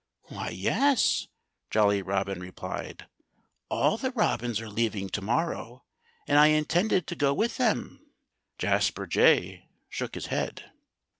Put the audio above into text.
"Why, yes!" Jolly Robin replied. "All the Robins are leaving to morrow. And I had intended to go with them." Jasper Jay shook his head.